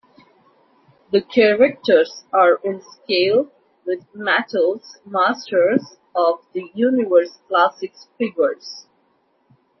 The characters are in scale with Mattel's Masters of the Universe Classics figures.